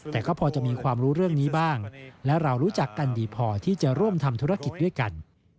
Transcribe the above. แต่ก็พอจะมีความรู้เรื่องนี้บ้างและเรารู้จักกันดีพอที่จะร่วมทำธุรกิจด้วยกัน